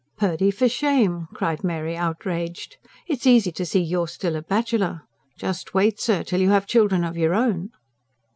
"Purdy, for shame!" cried Mary outraged. "It's easy to see you're still a bachelor. Just wait, sir, till you have children of your own!"